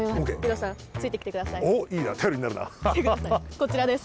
こちらです。